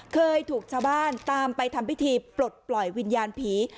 เคยถูกชาวบ้านตามไปทำพิธีปลดปล่อยวิญญาณผี